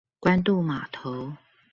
關渡碼頭